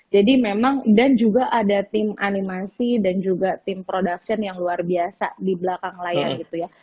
jadi memang dan juga ada tim animasi dan juga tim production yang luar biasa di belakang layar gitu ya